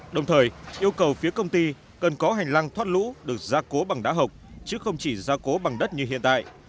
đồng thời yêu cầu phía công ty cần có hành lang thoát lũ được ra cố bằng đá hộc chứ không chỉ gia cố bằng đất như hiện tại